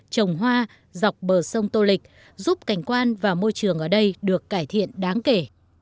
trồng hoa dọc bờ sông tô lịch giúp cảnh quan và môi trường ở đây được cải thiện đáng kể